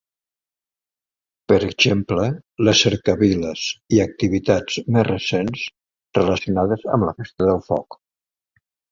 Per exemple, les cercaviles i activitats més recents relacionades amb la festa del foc.